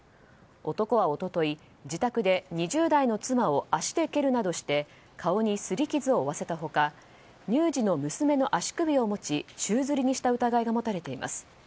男は一昨日、自宅で２０代の妻を足で蹴るなどして顔にすり傷を負わせた他乳児の娘の足首を持ち宙づりにした疑いが持たれています。